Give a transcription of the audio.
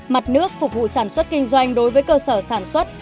mặt nước phục vụ sản xuất kinh doanh đối với cơ sở sản xuất